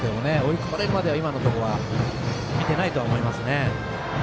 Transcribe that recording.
追い込まれる前は今のところは見てないと思いますね。